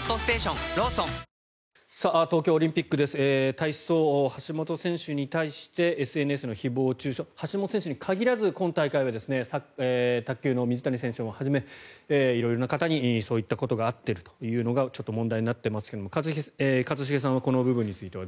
体操、橋本選手に対してＳＮＳの誹謗・中傷橋本選手に限らず、今大会は卓球の水谷選手もはじめ色々な方にそういったことがあるということがちょっと問題になってますけども一茂さんはこの部分については